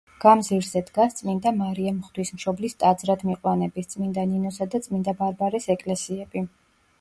გამზირზე დგას წმინდა მარიამ ღვთისმშობლის ტაძრად მიყვანების, წმინდა ნინოსა და წმინდა ბარბარეს ეკლესიები.